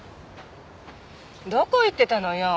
どこ行ってたのよ？